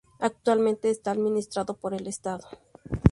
Actualmente está administrado por el estado.